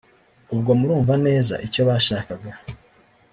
ubwo murumva neza icyo bashakaga